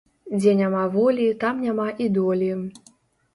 Дзе няма волі, там няма і долі